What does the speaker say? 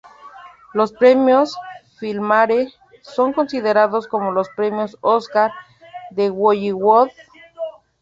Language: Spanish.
Los Premios Filmfare son considerados como los Premios Oscar de Bollywood.